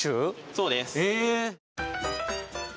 そうです。